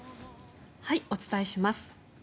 お伝えします。